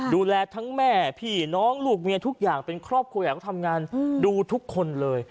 ดูแลทั้งแม่พี่น้องลูกเมียทุกอย่างเป็นครอบครัวอยากเขาทำงานดูทุกคนเลย